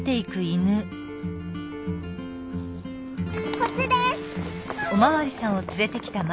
こっちです！